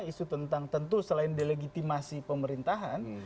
isu tentang tentu selain delegitimasi pemerintahan